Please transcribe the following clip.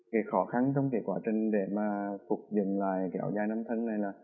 cái khó khăn trong cái quá trình để mà phục dừng lại cái áo dài ngủ thân này là